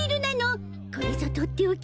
これぞとっておき。